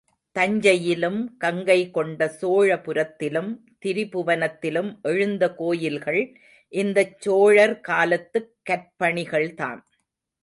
தஞ்சையிலும் கங்கை கொண்ட சோழபுரத்திலும் திரிபுவனத்திலும் எழுந்த கோயில்கள் இந்தச் சோழர் காலத்துக் கற்பணிகள்தாம்.